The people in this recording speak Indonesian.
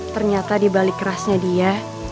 ternyata dibalik rasnya dia